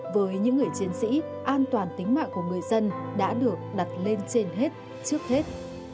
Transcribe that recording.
với những người chiến sĩ an toàn tính mạng của người dân đã được đặt lên trên hết trước hết